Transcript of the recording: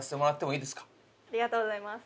ありがとうございます。